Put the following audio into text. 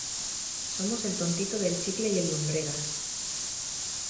somos el tontito del chicle y el lumbreras.